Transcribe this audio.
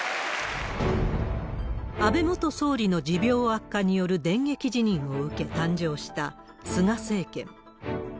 安倍元総理の持病悪化による電撃辞任を受け、誕生した菅政権。